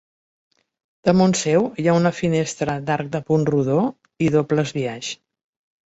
Damunt seu hi ha una finestra d'arc de punt rodó i doble esbiaix.